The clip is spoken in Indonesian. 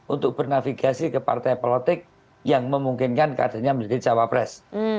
untuk bernavigasi ke partai politik yang memungkinkan kadernya menjadi cawapres